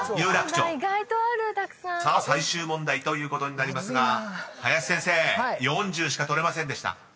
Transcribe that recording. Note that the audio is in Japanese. ［さあ最終問題ということになりますが林先生４０しか取れませんでした］